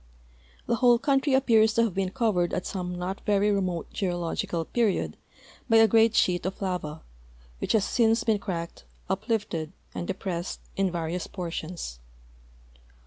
The whole country apj^ears to have been covered at some not very remote geological period b}'' a great sheet of lava, which has since been cracked, uplifted, and depressed in various portions.